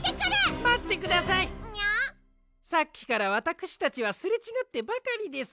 さっきからわたくしたちはすれちがってばかりです。